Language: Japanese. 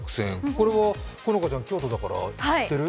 これは好花ちゃん、京都だから知ってる？